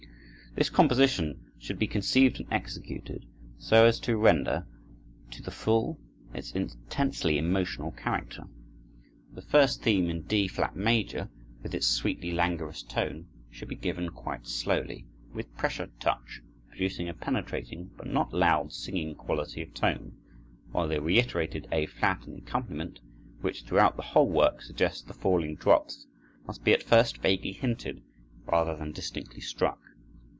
This composition should be conceived and executed so as to render, to the full, its intensely emotional character. The first theme in D flat major, with its sweetly languorous tone, should be given quite slowly, with pressure touch, producing a penetrating, but not loud, singing quality of tone, while the reiterated A flat in the accompaniment, which, throughout the whole work suggests the falling drops, must be at first vaguely hinted rather than distinctly struck.